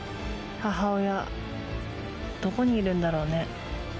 母親、どこにいるんだろうね。